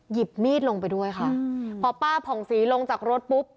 หยิบมีดลงไปด้วยค่ะพอป้าผ่องศรีลงจากรถปุ๊บ